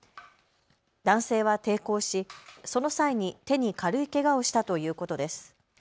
男性は抵抗しその際に手に軽いけがをしたということです。